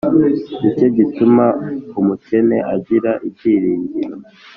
Ni cyo gituma umukene agira ibyiringiro